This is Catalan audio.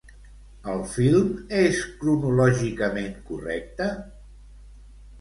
El film és cronològicament correcte?